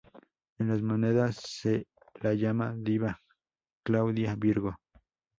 En las monedas se la llama "diva Claudia virgo".